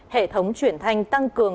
hệ thống truyền thanh tăng cường